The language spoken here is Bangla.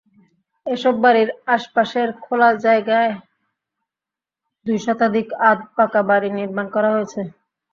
এসব বাড়ির আশপাশের খোলা জায়গায় দুই শতাধিক আধপাকা বাড়ি নির্মাণ করা হয়েছে।